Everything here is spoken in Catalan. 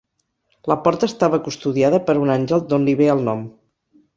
La porta estava custodiada per un àngel, d'on li ve el nom.